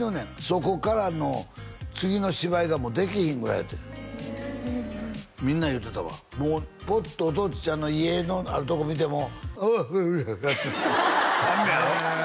そこからの次の芝居ができひんぐらいやってうんうんみんな言うてたわもうポッとお父ちゃんの遺影のあるとこ見ても「ああうう」なんのやろ？